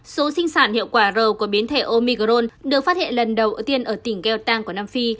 số sinh sản hiệu quả rầu của biến thể omicron được phát hiện lần đầu tiên ở tỉnh gaetan của nam phi